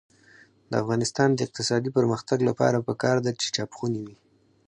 د افغانستان د اقتصادي پرمختګ لپاره پکار ده چې چاپخونې وي.